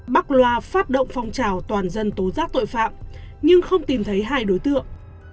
bắc loa phát động phong trào toàn dân tố giác tội phạm nhưng không tìm thấy hai đối tượng